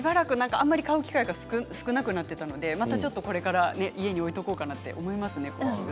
買う機会が少なくなっていたので、またこれから家に置いておこうかなと思いますね。